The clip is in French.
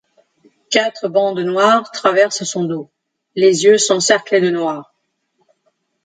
Quatre bandes noires traverse son dos, les yeux sont cerclés de noir.